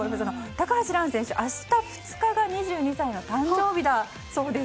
高橋藍選手、明日２日が２２歳の誕生日だそうです。